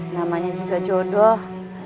namanya juga jodoh